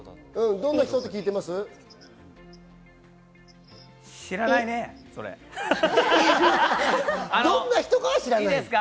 どんな人って聞いてますか？